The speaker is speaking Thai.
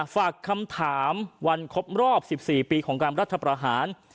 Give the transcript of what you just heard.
ฝากคำถามวันครบรอบ๑๔ปีของการรัฐประหาร